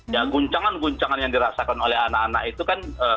ya guncangan guncangan yang dirasakan oleh anak anak itu kan